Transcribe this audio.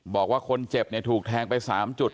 บอกว่าคนเจ็บถูกแทงไป๓จุด